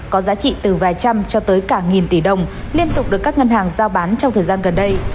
có giá trị từ vài trăm cho tới cả nghìn tỷ đồng liên tục được các ngân hàng giao bán trong thời gian gần đây